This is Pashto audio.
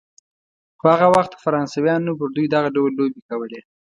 خو هغه وخت فرانسویانو پر دوی دغه ډول لوبې کولې.